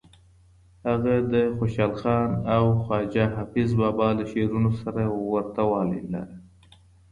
هغه د خوشحال خان او خواجه حافظ بابا له شعرونو سره ورته والی لرلو.